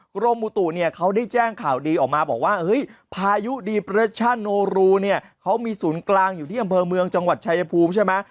กรมอุตุเนี่ยเขาได้แจ้งข่าวดีออกมาบอกว่าเฮ้ยพายุดีเปรชั่นโนรูเนี่ยเขามีศูนย์กลางอยู่ที่อำเภอเมืองจังหวัดชายภูมิใช่ไหม